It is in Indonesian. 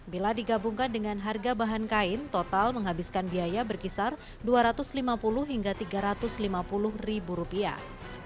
bila digabungkan dengan harga bahan kain total menghabiskan biaya berkisar dua ratus lima puluh hingga tiga ratus lima puluh ribu rupiah